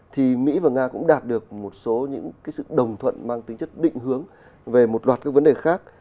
thì mỹ và nga cũng đạt được một số những sự đồng thuận mang tính chất định hướng về một loạt các vấn đề khác